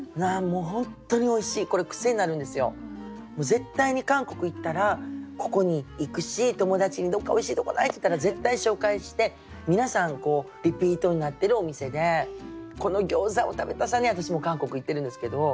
絶対に韓国行ったらここに行くし友達に「どっかおいしいとこない？」って言ったら絶対紹介して皆さんリピートになってるお店でこの餃子を食べたさに私も韓国行ってるんですけど。